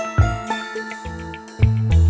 b comment sekali tentang